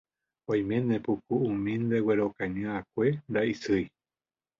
Oimépoku umi ndeguerokañy'akue ndaisýi